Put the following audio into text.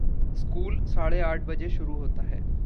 School साढ़े-आठ बजे शुरू होता है।